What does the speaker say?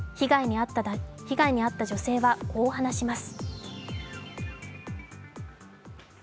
被害に遭った女性はこう話します。